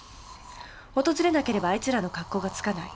訪れなければあいつらの格好がつかない。